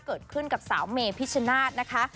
เกิดขึ้นกับสาวเมพิชนาธิ์นะคะ